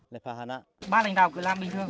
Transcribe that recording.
bác đành đạo của lào